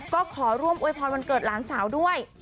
ก็ขอร่วมอวยพรวันเกิดหลานสาวด้วย